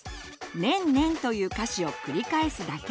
「ねんねん」という歌詞を繰り返すだけ！